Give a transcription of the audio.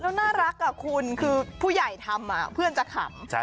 แล้วน่ารักคุณคือผู้ใหญ่ทำเพื่อนจะขำ